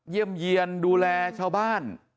เยี่ยมเยี่ยนดูแลชาวบ้าน